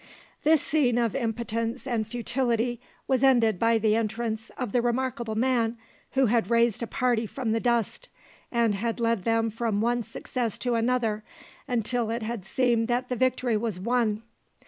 This scene of impotence and futility was ended by the entrance of the remarkable man who had raised a party from the dust, and had led them from one success to another until it had seemed that the victory was won.